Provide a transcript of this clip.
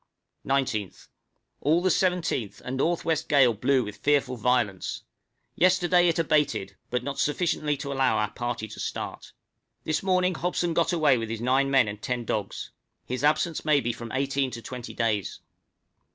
{FREQUENT GALES.} 19th. All the 17th a N.W. gale blew with fearful violence; yesterday it abated, but not sufficiently to allow our party to start. This morning Hobson got away with his nine men and ten dogs; his absence may be from eighteen to twenty days.